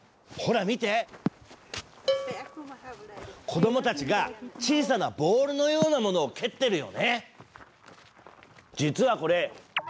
子どもたちが小さなボールのようなものを蹴ってるよね。